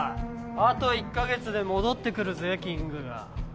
あと１カ月で戻ってくるぜキングが。